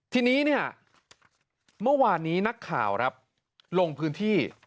ทีนี้เนี่ยเมื่อวานนี้นักข่าวครับลงพื้นที่